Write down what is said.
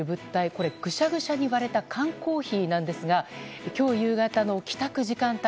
これ、ぐしゃぐしゃに割れた缶コーヒーなんですが今日夕方の帰宅時間帯